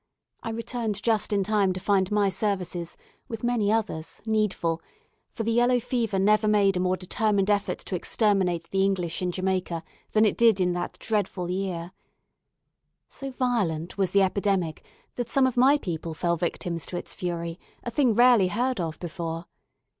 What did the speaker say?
I returned just in time to find my services, with many others, needful; for the yellow fever never made a more determined effort to exterminate the English in Jamaica than it did in that dreadful year. So violent was the epidemic, that some of my people fell victims to its fury, a thing rarely heard of before.